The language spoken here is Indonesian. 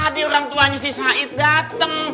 tadi orang tuanya si said dateng